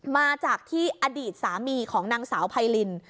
มาจากที่อดีตสามีของนางสาวไพริน